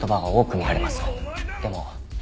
でも。